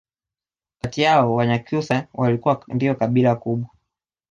kati yao Wanyakyusa walikuwa ndio kabila kubwa